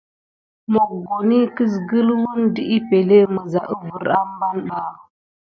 Mokoni kiskule wune de epəŋle misa wuvere ɓa askilan.